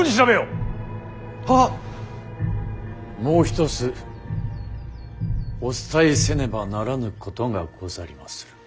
もう一つお伝えせねばならぬことがござりまする。